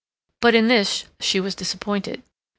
But in this she was disappointed.